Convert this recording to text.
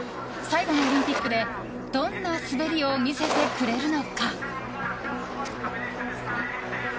最後のオリンピックでどんな滑りを見せてくれるのか。